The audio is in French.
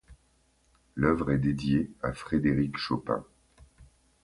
L'œuvre est dédiée à Frédéric Chopin.